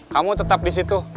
kamu tetap di situ